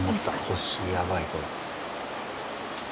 腰やばいこれ。